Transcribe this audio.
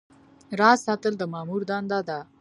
راز ساتل د مامور دنده ده